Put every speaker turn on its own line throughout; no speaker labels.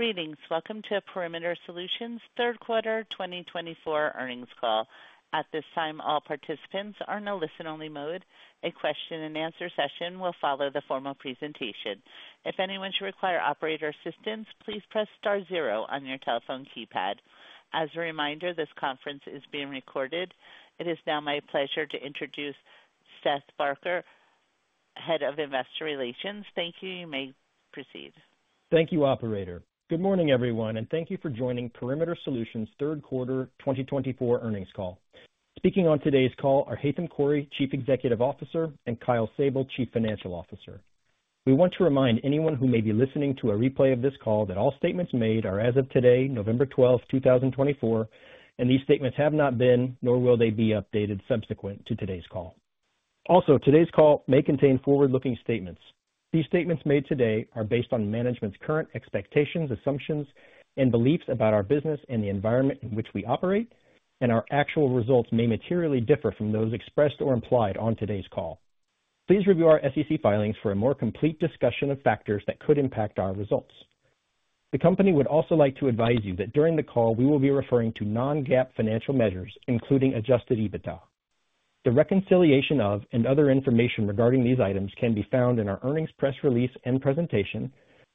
Greetings. Welcome to Perimeter Solutions Q3 2024 Earnings Call. At this time, all participants are in a listen-only mode. A question-and-answer session will follow the formal presentation. If anyone should require operator assistance, please press star zero on your telephone keypad. As a reminder, this conference is being recorded. It is now my pleasure to introduce Seth Barker, Head of Investor Relations. Thank you. You may proceed.
Thank you, Operator. Good morning, everyone, and thank you for joining Perimeter Solutions Q3 2024 Earnings Call. Speaking on today's call are Haitham Khouri, Chief Executive Officer, and Kyle Sable, Chief Financial Officer. We want to remind anyone who may be listening to a replay of this call that all statements made are, as of today, November 12, 2024, and these statements have not been, nor will they be updated subsequent to today's call. Also, today's call may contain forward-looking statements. These statements made today are based on management's current expectations, assumptions, and beliefs about our business and the environment in which we operate, and our actual results may materially differ from those expressed or implied on today's call. Please review our SEC filings for a more complete discussion of factors that could impact our results. The company would also like to advise you that during the call, we will be referring to non-GAAP financial measures, including adjusted EBITDA. The reconciliation and other information regarding these items can be found in our earnings press release and presentation,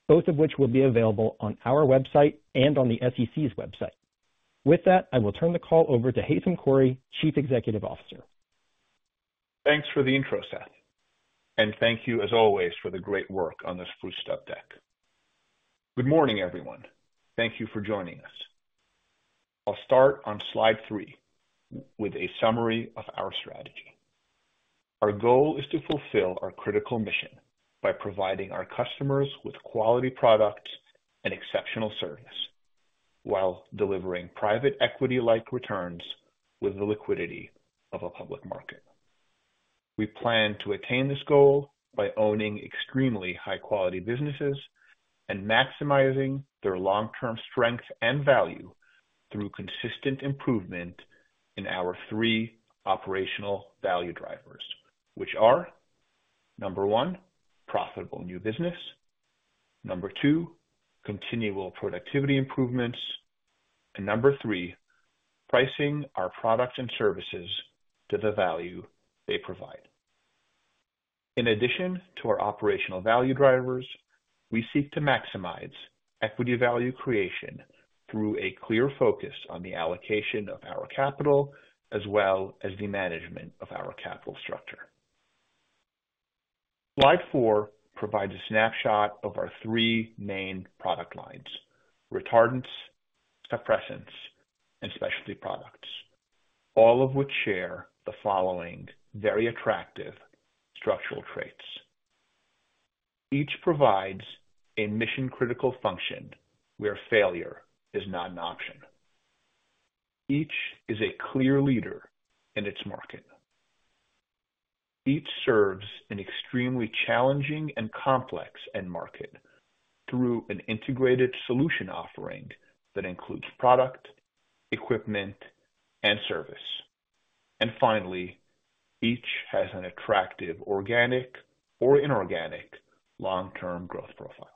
both of which will be available on our website and on the SEC's website. With that, I will turn the call over to Haitham Khouri, Chief Executive Officer.
Thanks for the intro, Seth, and thank you, as always, for the great work on this First Stamp deck. Good morning, everyone. Thank you for joining us. I'll start on slide three with a summary of our strategy. Our goal is to fulfill our critical mission by providing our customers with quality products and exceptional service while delivering private equity-like returns with the liquidity of a public market. We plan to attain this goal by owning extremely high-quality businesses and maximizing their long-term strength and value through consistent improvement in our three operational value drivers, which are: number one, profitable new business; number two, continual productivity improvements; and number three, pricing our products and services to the value they provide. In addition to our operational value drivers, we seek to maximize equity value creation through a clear focus on the allocation of our capital as well as the management of our capital structure. Slide four provides a snapshot of our three main product lines: retardants, suppressants, and specialty products, all of which share the following very attractive structural traits. Each provides a mission-critical function where failure is not an option. Each is a clear leader in its market. Each serves an extremely challenging and complex end market through an integrated solution offering that includes product, equipment, and service. And finally, each has an attractive organic or inorganic long-term growth profile.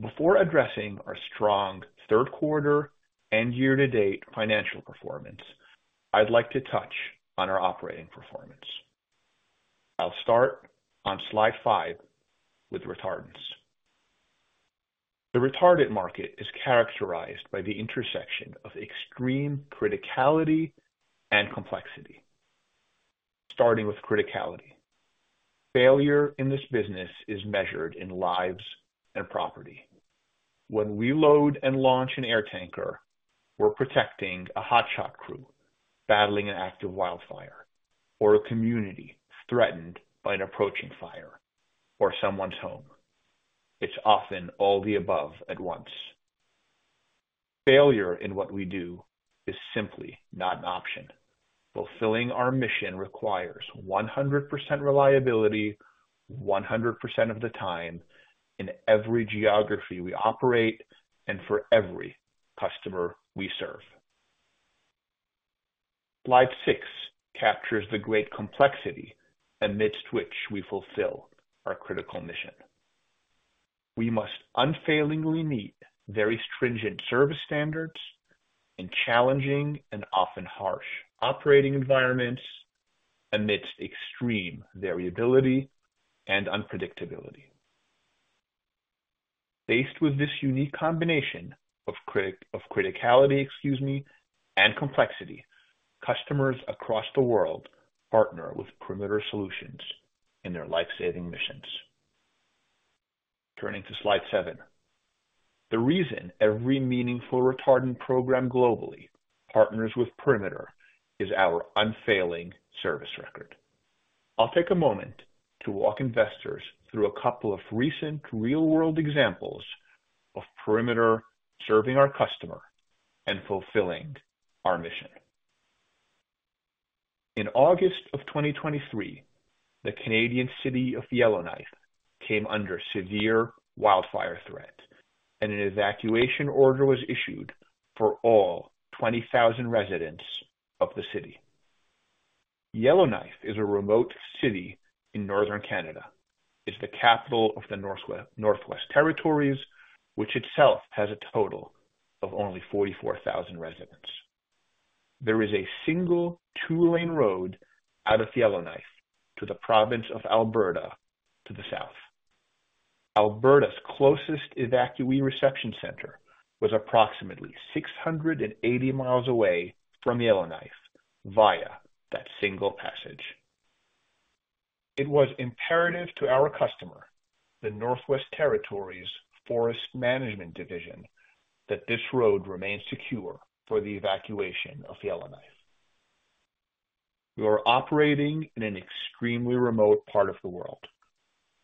Before addressing our strong Q3 and year-to-date financial performance, I'd like to touch on our operating performance. I'll start on slide five with retardants. The retardant market is characterized by the intersection of extreme criticality and complexity. Starting with criticality, failure in this business is measured in lives and property. When we load and launch an air tanker, we're protecting a hotshot crew battling an active wildfire or a community threatened by an approaching fire or someone's home. It's often all the above at once. Failure in what we do is simply not an option. Fulfilling our mission requires 100% reliability 100% of the time in every geography we operate and for every customer we serve. Slide six captures the great complexity amidst which we fulfill our critical mission. We must unfailingly meet very stringent service standards in challenging and often harsh operating environments amidst extreme variability and unpredictability. Faced with this unique combination of criticality, excuse me, and complexity, customers across the world partner with Perimeter Solutions in their lifesaving missions. Turning to slide seven, the reason every meaningful retardant program globally partners with Perimeter is our unfailing service record. I'll take a moment to walk investors through a couple of recent real-world examples of Perimeter serving our customer and fulfilling our mission. In August of 2023, the Canadian city of Yellowknife came under severe wildfire threat, and an evacuation order was issued for all 20,000 residents of the city. Yellowknife is a remote city in northern Canada. It's the capital of the Northwest Territories, which itself has a total of only 44,000 residents. There is a single two-lane road out of Yellowknife to the province of Alberta to the south. Alberta's closest evacuee reception center was approximately 680 miles away from Yellowknife via that single passage. It was imperative to our customer, the Northwest Territories Forest Management Division, that this road remained secure for the evacuation of Yellowknife. We were operating in an extremely remote part of the world.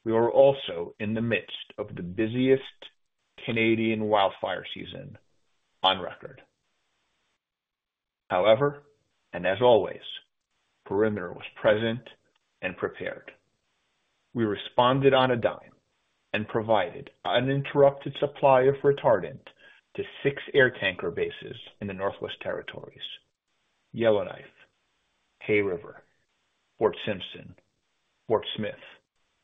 We were also in the midst of the busiest Canadian wildfire season on record. However, and as always, Perimeter was present and prepared. We responded on a dime and provided uninterrupted supply of retardant to six air tanker bases in the Northwest Territories: Yellowknife, Hay River, Fort Simpson, Fort Smith,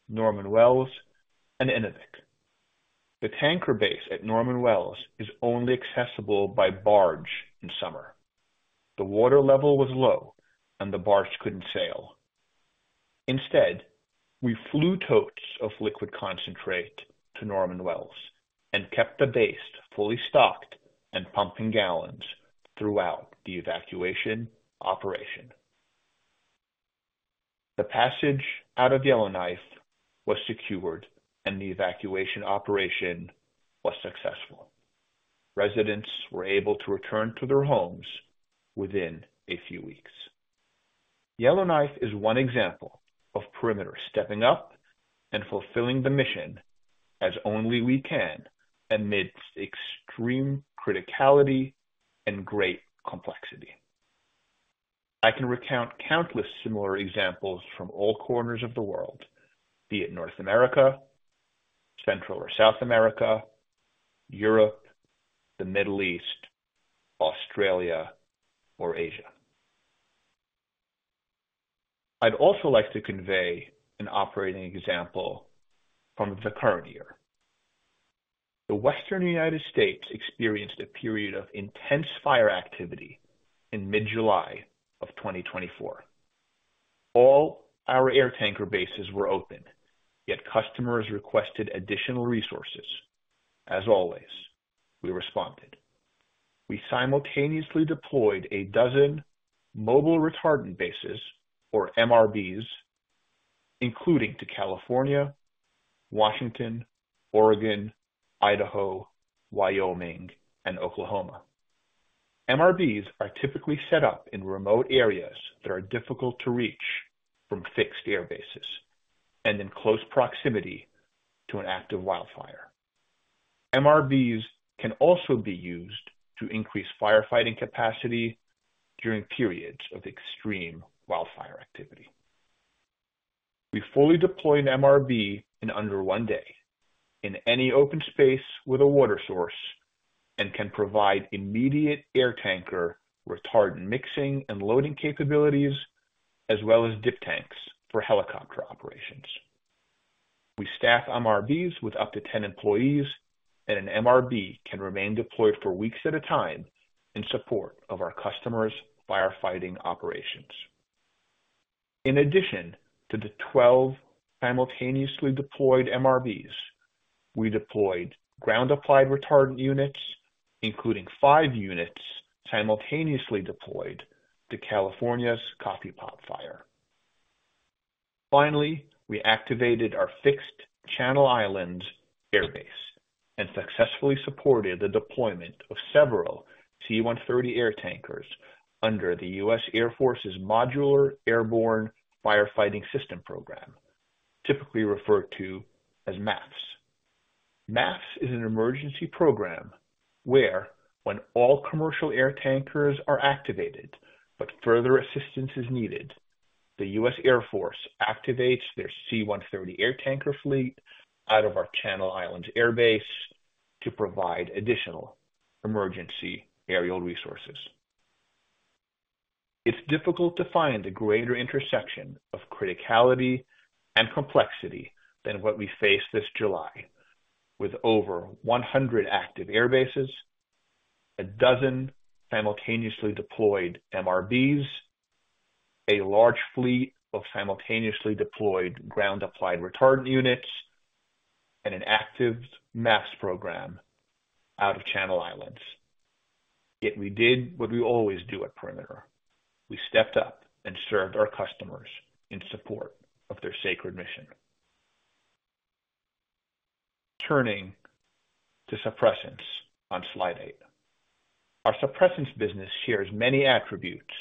Norman Wells, and Inuvik. The tanker base at Norman Wells is only accessible by barge in summer. The water level was low, and the barge couldn't sail. Instead, we flew totes of liquid concentrate to Norman Wells and kept the base fully stocked and pumping gallons throughout the evacuation operation. The passage out of Yellowknife was secured, and the evacuation operation was successful. Residents were able to return to their homes within a few weeks. Yellowknife is one example of Perimeter stepping up and fulfilling the mission as only we can amidst extreme criticality and great complexity. I can recount countless similar examples from all corners of the world, be it North America, Central or South America, Europe, the Middle East, Australia, or Asia. I'd also like to convey an operating example from the current year. The Western United States experienced a period of intense fire activity in mid-July of 2024. All our air tanker bases were open, yet customers requested additional resources. As always, we responded. We simultaneously deployed a dozen mobile retardant bases, or MRBs, including to California, Washington, Oregon, Idaho, Wyoming, and Oklahoma. MRBs are typically set up in remote areas that are difficult to reach from fixed air bases and in close proximity to an active wildfire. MRBs can also be used to increase firefighting capacity during periods of extreme wildfire activity. We fully deployed an MRB in under one day in any open space with a water source and can provide immediate air tanker retardant mixing and loading capabilities, as well as dip tanks for helicopter operations. We staff MRBs with up to 10 employees, and an MRB can remain deployed for weeks at a time in support of our customers' firefighting operations. In addition to the 12 simultaneously deployed MRBs, we deployed ground-applied retardant units, including five units simultaneously deployed to California's Coffee Pot Fire. Finally, we activated our fixed Channel Islands airbase and successfully supported the deployment of several C-130 air tankers under the U.S. Air Force's Modular Airborne Firefighting System Program, typically referred to as MAFS. MAFS is an emergency program where, when all commercial air tankers are activated but further assistance is needed, the U.S. Air Force activates their C-130 air tanker fleet out of our Channel Islands airbase to provide additional emergency aerial resources. It's difficult to find a greater intersection of criticality and complexity than what we faced this July, with over 100 active air bases, a dozen simultaneously deployed MRBs, a large fleet of simultaneously deployed ground-applied retardant units, and an active MAFS program out of Channel Islands. Yet we did what we always do at Perimeter. We stepped up and served our customers in support of their sacred mission. Turning to suppressants on slide eight, our suppressants business shares many attributes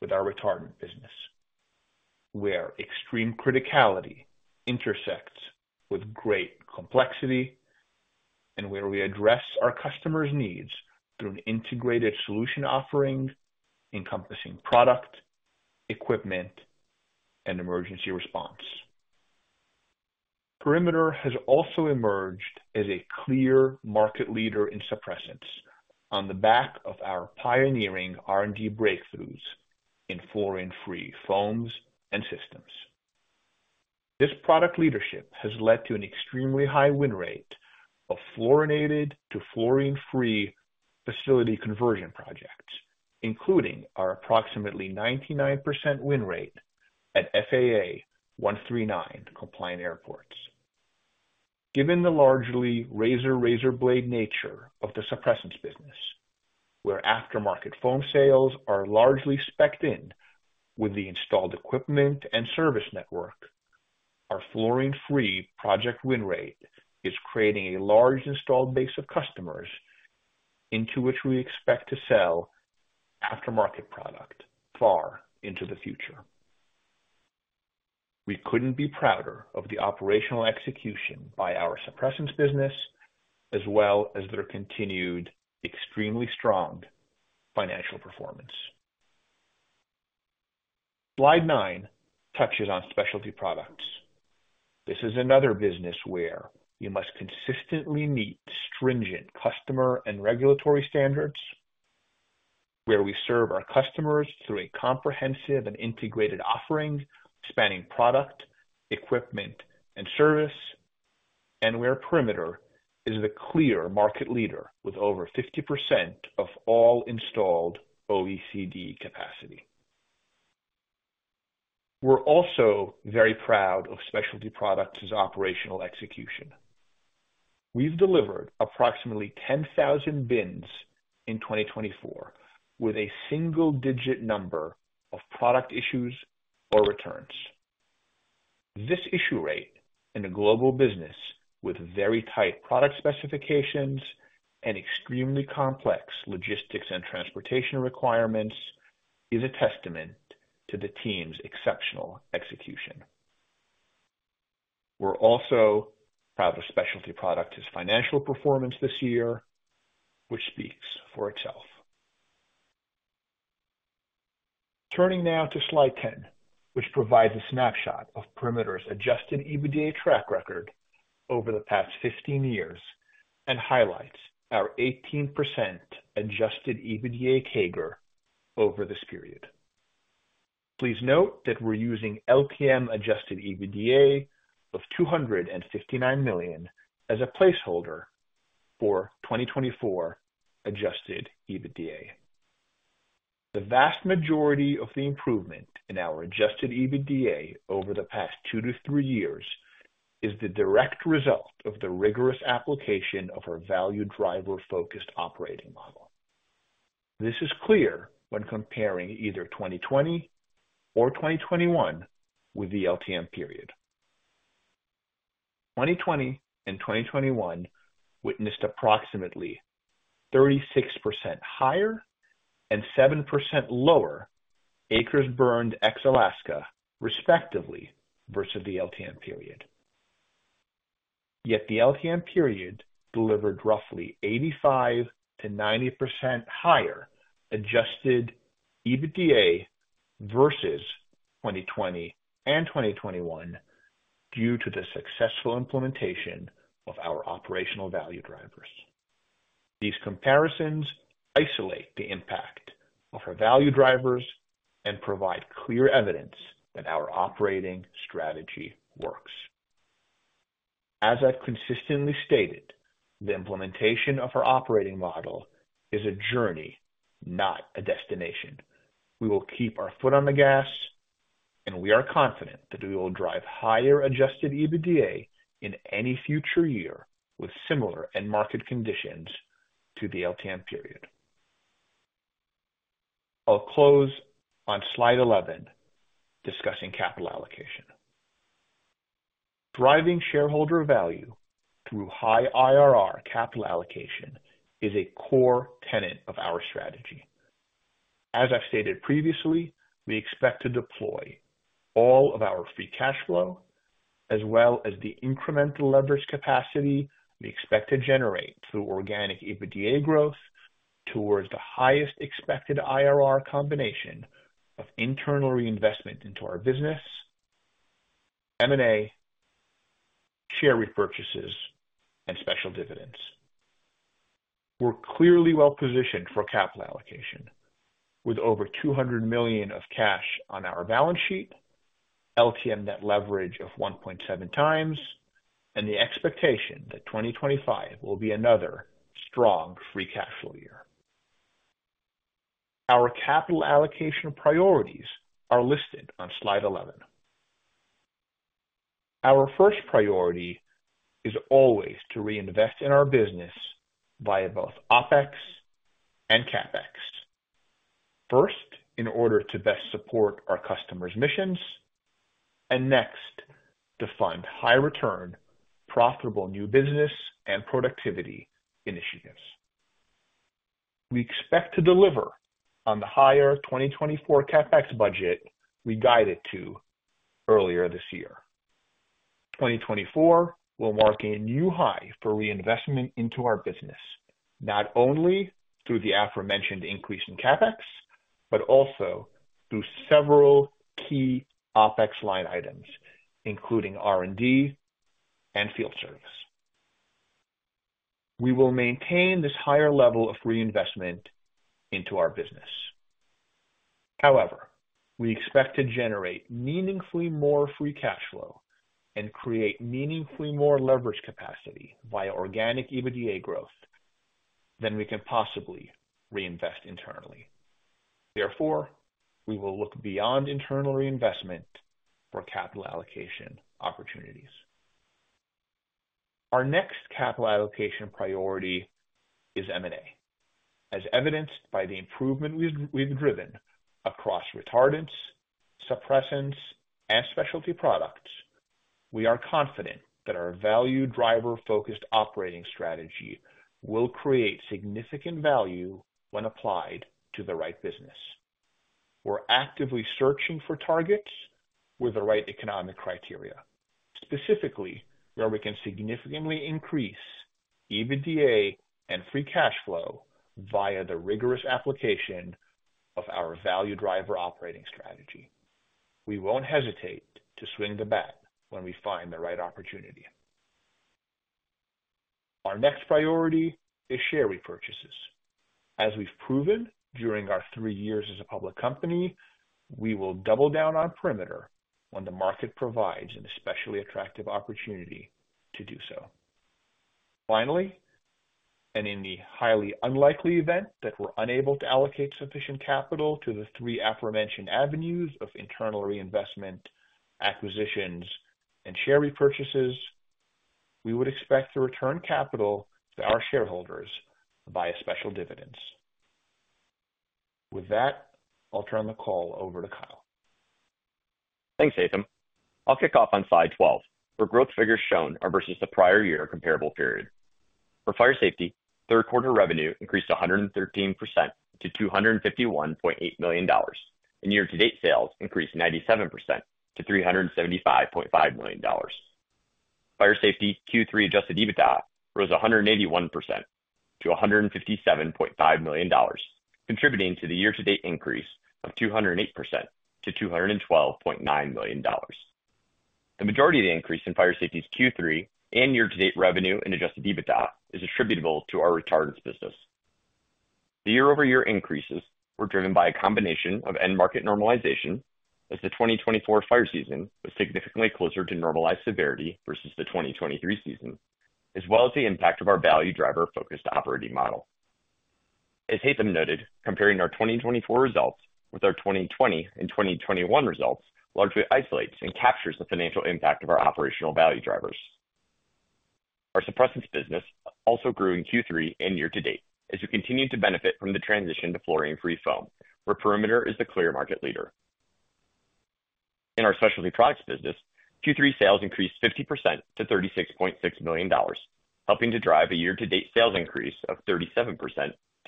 with our retardant business, where extreme criticality intersects with great complexity, and where we address our customers' needs through an integrated solution offering encompassing product, equipment, and emergency response. Perimeter has also emerged as a clear market leader in suppressants on the back of our pioneering R&D breakthroughs in fluorine-free foams and systems. This product leadership has led to an extremely high win rate of fluorinated to fluorine-free facility conversion projects, including our approximately 99% win rate at FAA 139 compliant airports. Given the largely razor-razorblade nature of the suppressants business, where aftermarket foam sales are largely spec'd in with the installed equipment and service network, our fluorine-free project win rate is creating a large installed base of customers into which we expect to sell aftermarket product far into the future. We couldn't be prouder of the operational execution by our suppressants business, as well as their continued extremely strong financial performance. Slide nine touches on specialty products. This is another business where we must consistently meet stringent customer and regulatory standards, where we serve our customers through a comprehensive and integrated offering spanning product, equipment, and service, and where Perimeter is the clear market leader with over 50% of all installed OECD capacity. We're also very proud of specialty products' operational execution. We've delivered approximately 10,000 bins in 2024 with a single-digit number of product issues or returns. This issue rate in a global business with very tight product specifications and extremely complex logistics and transportation requirements is a testament to the team's exceptional execution. We're also proud of specialty products' financial performance this year, which speaks for itself. Turning now to slide 10, which provides a snapshot of Perimeter's adjusted EBITDA track record over the past 15 years and highlights our 18% adjusted EBITDA CAGR over this period. Please note that we're using LTM adjusted EBITDA of $259 million as a placeholder for 2024 adjusted EBITDA. The vast majority of the improvement in our adjusted EBITDA over the past two to three years is the direct result of the rigorous application of our value driver-focused operating model. This is clear when comparing either 2020 or 2021 with the LTM period. 2020 and 2021 witnessed approximately 36% higher and 7% lower acres burned ex-Alaska, respectively, versus the LTM period. Yet the LTM period delivered roughly 85%-90% higher adjusted EBITDA versus 2020 and 2021 due to the successful implementation of our operational value drivers. These comparisons isolate the impact of our value drivers and provide clear evidence that our operating strategy works. As I've consistently stated, the implementation of our operating model is a journey, not a destination. We will keep our foot on the gas, and we are confident that we will drive higher Adjusted EBITDA in any future year with similar end market conditions to the LTM period. I'll close on slide 11, discussing capital allocation. Driving shareholder value through high IRR capital allocation is a core tenet of our strategy. As I've stated previously, we expect to deploy all of our free cash flow, as well as the incremental leverage capacity we expect to generate through organic EBITDA growth towards the highest expected IRR combination of internal reinvestment into our business, M&A, share repurchases, and special dividends. We're clearly well-positioned for capital allocation. With over $200 million of cash on our balance sheet, LTM net leverage of 1.7 times, and the expectation that 2025 will be another strong free cash flow year, our capital allocation priorities are listed on slide 11. Our first priority is always to reinvest in our business via both OPEX and CAPEX, first in order to best support our customers' missions, and next to fund high-return, profitable new business and productivity initiatives. We expect to deliver on the higher 2024 CAPEX budget we guided to earlier this year. 2024 will mark a new high for reinvestment into our business, not only through the aforementioned increase in CAPEX, but also through several key OPEX line items, including R&D and field service. We will maintain this higher level of reinvestment into our business. However, we expect to generate meaningfully more free cash flow and create meaningfully more leverage capacity via organic EBITDA growth than we can possibly reinvest internally. Therefore, we will look beyond internal reinvestment for capital allocation opportunities. Our next capital allocation priority is M&A. As evidenced by the improvement we've driven across retardants, suppressants, and specialty products, we are confident that our value driver-focused operating strategy will create significant value when applied to the right business. We're actively searching for targets with the right economic criteria, specifically where we can significantly increase EBITDA and free cash flow via the rigorous application of our value driver operating strategy. We won't hesitate to swing the bat when we find the right opportunity. Our next priority is share repurchases. As we've proven during our three years as a public company, we will double down on Perimeter when the market provides an especially attractive opportunity to do so. Finally, and in the highly unlikely event that we're unable to allocate sufficient capital to the three aforementioned avenues of internal reinvestment, acquisitions, and share repurchases, we would expect to return capital to our shareholders via special dividends. With that, I'll turn the call over to Kyle.
Thanks, Haitham. I'll kick off on slide 12, where growth figures shown are versus the prior year comparable period. For fire safety, Q3 revenue increased 113% to $251.8 million, and year-to-date sales increased 97% to $375.5 million. Fire safety Q3 Adjusted EBITDA rose 181% to $157.5 million, contributing to the year-to-date increase of 208% to $212.9 million. The majority of the increase in fire safety's Q3 and year-to-date revenue in Adjusted EBITDA is attributable to our retardants business. The year-over-year increases were driven by a combination of end market normalization, as the 2024 fire season was significantly closer to normalized severity versus the 2023 season, as well as the impact of our value driver-focused operating model. As Haitham noted, comparing our 2024 results with our 2020 and 2021 results largely isolates and captures the financial impact of our operational value drivers. Our suppressants business also grew in Q3 and year-to-date, as we continued to benefit from the transition to fluorine-free foam, where Perimeter is the clear market leader. In our specialty products business, Q3 sales increased 50% to $36.6 million, helping to drive a year-to-date sales increase of 37%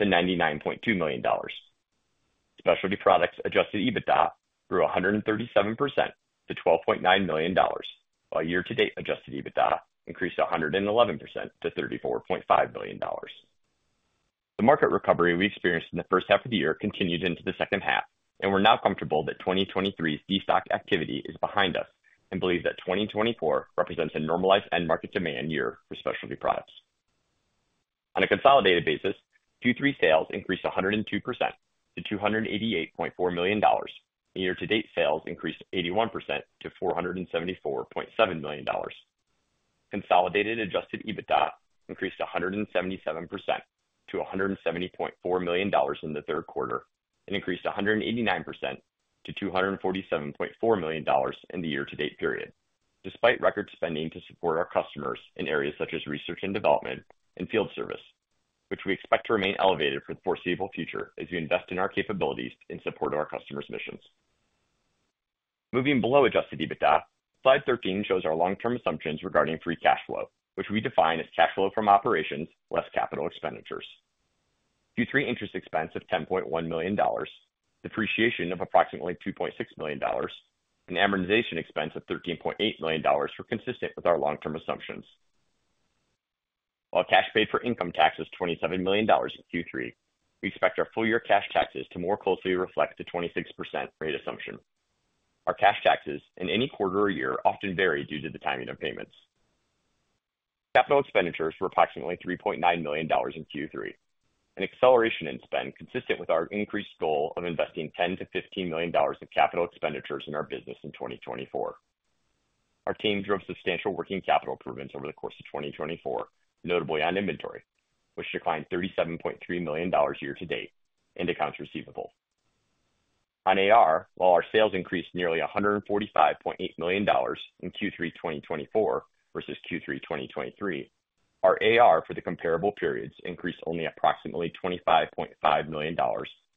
to $99.2 million. Specialty products adjusted EBITDA grew 137% to $12.9 million, while year-to-date adjusted EBITDA increased 111% to $34.5 million. The market recovery we experienced in the first half of the year continued into the second half, and we're now comfortable that 2023's de-stock activity is behind us and believe that 2024 represents a normalized end market demand year for specialty products. On a consolidated basis, Q3 sales increased 102% to $288.4 million, and year-to-date sales increased 81% to $474.7 million. Consolidated Adjusted EBITDA increased 177% to $170.4 million in the Q3 and increased 189% to $247.4 million in the year-to-date period, despite record spending to support our customers in areas such as research and development and field service, which we expect to remain elevated for the foreseeable future as we invest in our capabilities in support of our customers' missions. Moving below Adjusted EBITDA, slide 13 shows our long-term assumptions regarding free cash flow, which we define as cash flow from operations less capital expenditures. Q3 interest expense of $10.1 million, depreciation of approximately $2.6 million, and amortization expense of $13.8 million were consistent with our long-term assumptions. While cash paid for income tax was $27 million in Q3, we expect our full-year cash taxes to more closely reflect the 26% rate assumption. Our cash taxes in any quarter or year often vary due to the timing of payments. Capital expenditures were approximately $3.9 million in Q3, an acceleration in spend consistent with our increased goal of investing $10-$15 million in capital expenditures in our business in 2024. Our team drove substantial working capital improvements over the course of 2024, notably on inventory, which declined $37.3 million year-to-date and accounts receivable. On AR, while our sales increased nearly $145.8 million in Q3 2024 versus Q3 2023, our AR for the comparable periods increased only approximately $25.5 million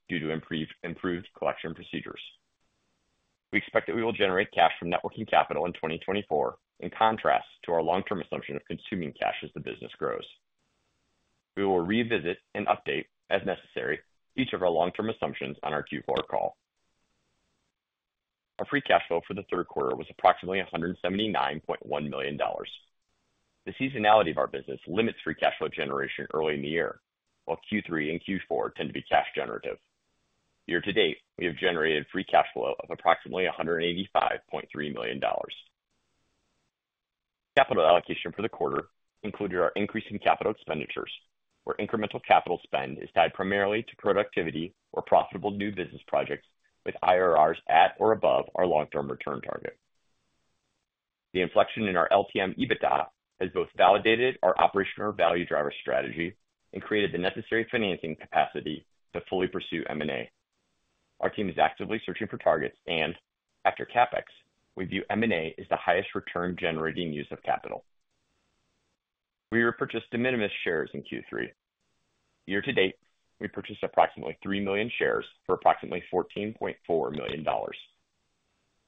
due to improved collection procedures. We expect that we will generate cash from net working capital in 2024, in contrast to our long-term assumption of consuming cash as the business grows. We will revisit and update, as necessary, each of our long-term assumptions on our Q4 call. Our free cash flow for the Q3 was approximately $179.1 million. The seasonality of our business limits free cash flow generation early in the year, while Q3 and Q4 tend to be cash-generative. Year-to-date, we have generated free cash flow of approximately $185.3 million. Capital allocation for the quarter included our increase in capital expenditures, where incremental capital spend is tied primarily to productivity or profitable new business projects with IRRs at or above our long-term return target. The inflection in our LTM EBITDA has both validated our operational value driver strategy and created the necessary financing capacity to fully pursue M&A. Our team is actively searching for targets, and after CAPEX, we view M&A as the highest return-generating use of capital. We repurchased de minimis shares in Q3. Year-to-date, we purchased approximately three million shares for approximately $14.4 million.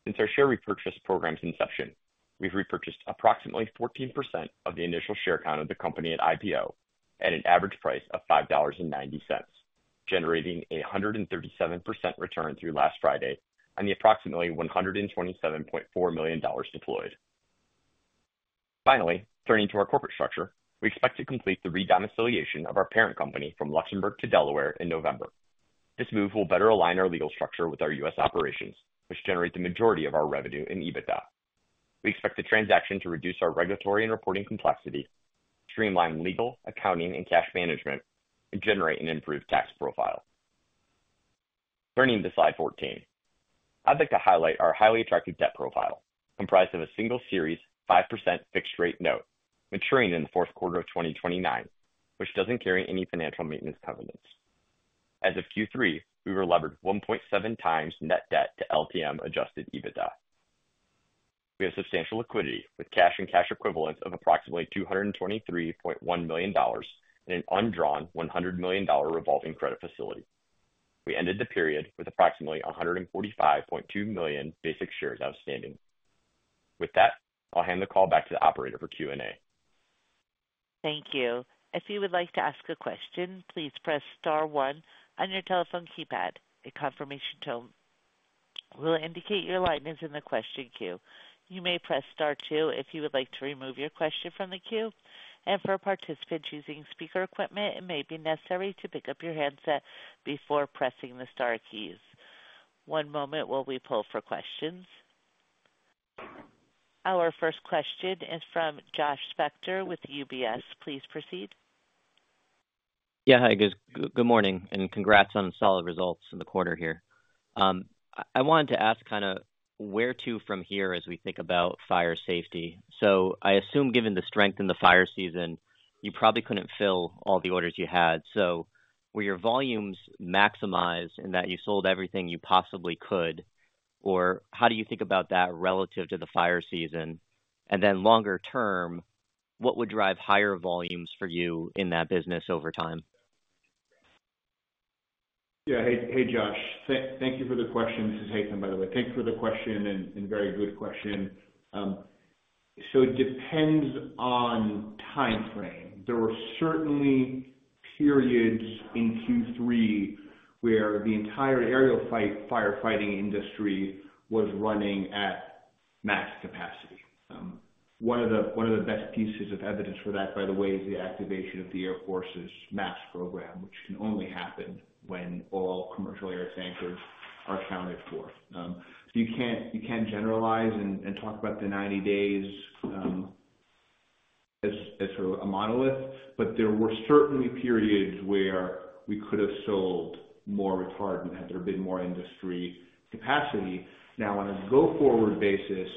Since our share repurchase program's inception, we've repurchased approximately 14% of the initial share count of the company at IPO at an average price of $5.90, generating a 137% return through last Friday on the approximately $127.4 million deployed. Finally, turning to our corporate structure, we expect to complete the re-domiciliation of our parent company from Luxembourg to Delaware in November. This move will better align our legal structure with our U.S. operations, which generate the majority of our revenue in EBITDA. We expect the transaction to reduce our regulatory and reporting complexity, streamline legal, accounting, and cash management, and generate an improved tax profile. Turning to slide 14, I'd like to highlight our highly attractive debt profile, comprised of a single series 5% fixed-rate note maturing in the Q4 of 2029, which doesn't carry any financial maintenance covenants. As of Q3, we were levered 1.7 times net debt to LTM adjusted EBITDA. We have substantial liquidity with cash and cash equivalents of approximately $223.1 million and an undrawn $100 million revolving credit facility. We ended the period with approximately 145.2 million basic shares outstanding. With that, I'll hand the call back to the operator for Q&A.
Thank you. If you would like to ask a question, please press star one on your telephone keypad. A confirmation tone will indicate your line is in the question queue. You may press Star two if you would like to remove your question from the queue. And for participants using speaker equipment, it may be necessary to pick up your handset before pressing the Star keys. One moment while we poll for questions. Our first question is from Josh Spector with UBS. Please proceed.
Yeah, hi. Good morning, and congrats on solid results in the quarter here. I wanted to ask kind of where to from here as we think about fire safety. So I assume given the strength in the fire season, you probably couldn't fill all the orders you had. So were your volumes maximized in that you sold everything you possibly could, or how do you think about that relative to the fire season? And then longer term, what would drive higher volumes for you in that business over time?
Yeah. Hey, Josh. Thank you for the question. This is Haitham, by the way. Thank you for the question and very good question. So it depends on timeframe. There were certainly periods in Q3 where the entire aerial firefighting industry was running at max capacity. One of the best pieces of evidence for that, by the way, is the activation of the Air Force's MAFS program, which can only happen when all commercial air tankers are accounted for. So you can't generalize and talk about the 90 days as a monolith, but there were certainly periods where we could have sold more retardant had there been more industry capacity. Now, on a go-forward basis,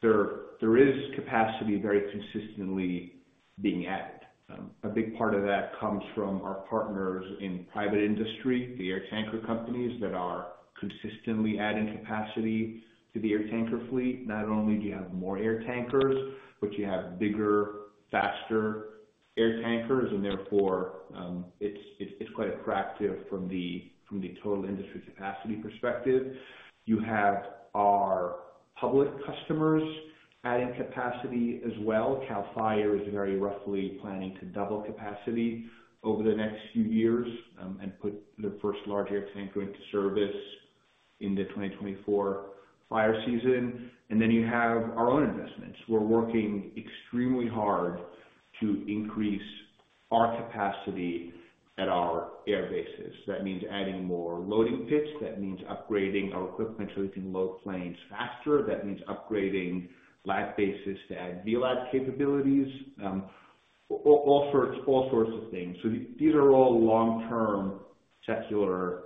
there is capacity very consistently being added. A big part of that comes from our partners in private industry, the air tanker companies that are consistently adding capacity to the air tanker fleet. Not only do you have more air tankers, but you have bigger, faster air tankers, and therefore, it's quite attractive from the total industry capacity perspective. You have our public customers adding capacity as well. Cal Fire is very roughly planning to double capacity over the next few years and put the first large air tanker into service in the 2024 fire season. And then you have our own investments. We're working extremely hard to increase our capacity at our air bases. That means adding more loading pits. That means upgrading our equipment so we can load planes faster. That means upgrading LAT bases to add VLAT capabilities. All sorts of things. So these are all long-term secular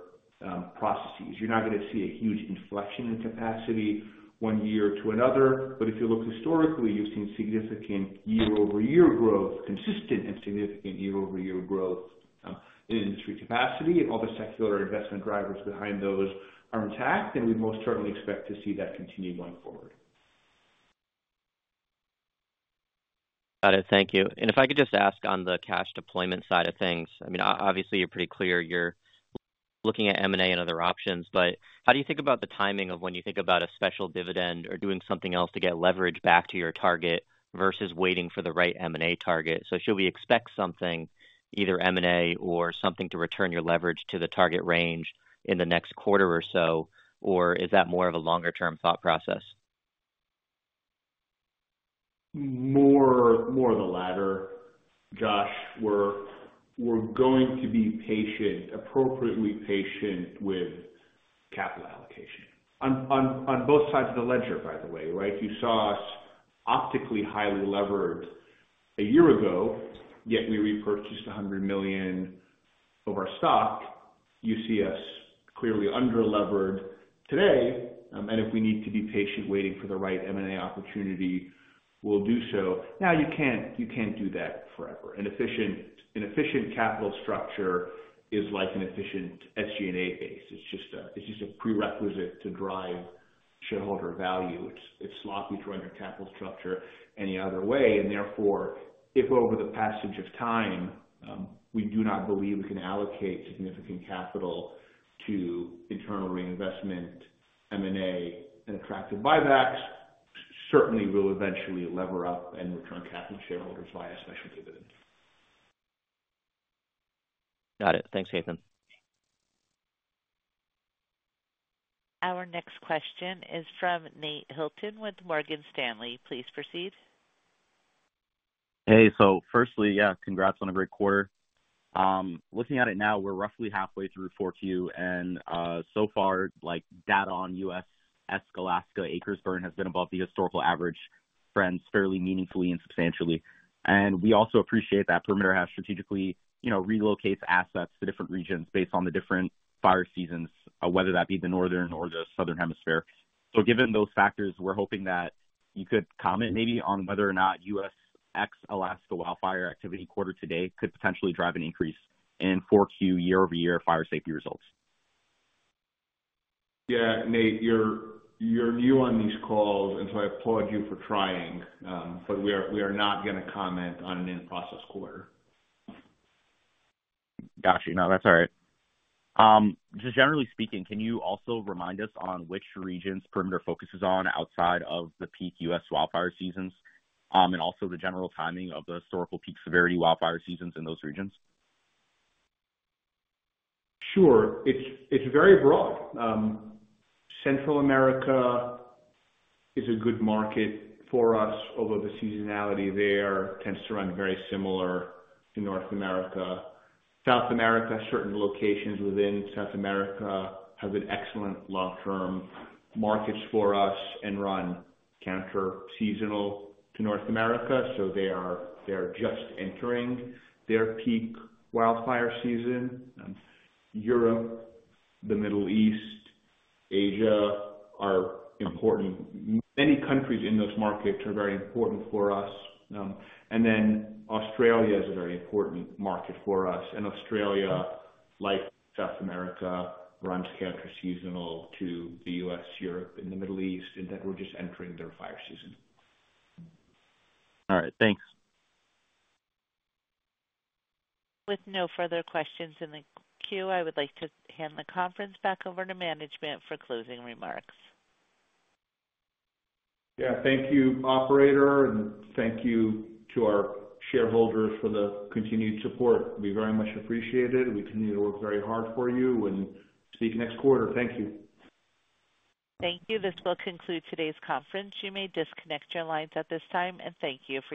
processes. You're not going to see a huge inflection in capacity one year to another, but if you look historically, you've seen significant year-over-year growth, consistent and significant year-over-year growth in industry capacity. If all the secular investment drivers behind those are intact, then we most certainly expect to see that continue going forward.
Got it. Thank you. If I could just ask on the cash deployment side of things, I mean, obviously, you're pretty clear. You're looking at M&A and other options, but how do you think about the timing of when you think about a special dividend or doing something else to get leverage back to your target versus waiting for the right M&A target? Should we expect something, either M&A or something to return your leverage to the target range in the next quarter or so, or is that more of a longer-term thought process?
More of the latter, Josh. We're going to be patient, appropriately patient with capital allocation. On both sides of the ledger, by the way, right? You saw us optically highly levered a year ago, yet we repurchased $100 million of our stock. You see us clearly underlevered today, and if we need to be patient waiting for the right M&A opportunity, we'll do so. Now, you can't do that forever. An efficient capital structure is like an efficient SG&A base. It's just a prerequisite to drive shareholder value. It's sloppy to run your capital structure any other way. And therefore, if over the passage of time, we do not believe we can allocate significant capital to internal reinvestment, M&A, and attractive buybacks, certainly we'll eventually lever up and return capital to shareholders via special dividend.
Got it. Thanks, Haitham.
Our next question is from Nate Hilton with Morgan Stanley. Please proceed.
Hey. So firstly, yeah, congrats on a great quarter. Looking at it now, we're roughly halfway through Q4, and so far, data on U.S. ex-Alaska acres burned has been above the historical average, trends, fairly meaningfully and substantially. We also appreciate that Perimeter has strategically relocated assets to different regions based on the different fire seasons, whether that be the northern or the southern hemisphere. Given those factors, we're hoping that you could comment maybe on whether or not U.S. ex-Alaska wildfire activity quarter to date could potentially drive an increase in Q4 year-over-year fire safety results.
Yeah. Nate, you're new on these calls, and so I applaud you for trying, but we are not going to comment on an in-process quarter.
Gotcha. No, that's all right. Just generally speaking, can you also remind us on which regions Perimeter focuses on outside of the peak U.S. wildfire seasons and also the general timing of the historical peak severity wildfire seasons in those regions?
Sure. It's very broad. Central America is a good market for us, although the seasonality there tends to run very similar to North America. South America, certain locations within South America have been excellent long-term markets for us and run counter-seasonal to North America, so they are just entering their peak wildfire season. Europe, the Middle East, Asia are important. Many countries in those markets are very important for us. And then Australia is a very important market for us. And Australia, like South America, runs counter-seasonal to the U.S., Europe, and the Middle East, and then we're just entering their fire season.
All right. Thanks.
With no further questions in the queue, I would like to hand the conference back over to management for closing remarks.
Yeah. Thank you, operator, and thank you to our shareholders for the continued support. We very much appreciate it. We continue to work very hard for you and see you next quarter. Thank you.
Thank you. This will conclude today's conference. You may disconnect your lines at this time, and thank you for.